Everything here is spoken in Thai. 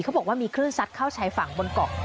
บอกว่ามีคลื่นซัดเข้าชายฝั่งบนเกาะ